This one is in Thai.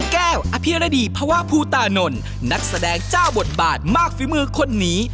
แก้วอพิรดิพพูตานนนักแสดงจ้าบทบาทมากฝีมือคนนี้